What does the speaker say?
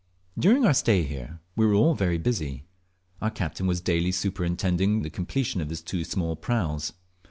During our stay here we were all very busy. Our captain was daily superintending the completion of his two small praus.